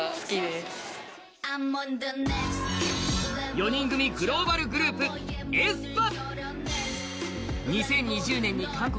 ４人組グローバルグループａｅｓｐａ。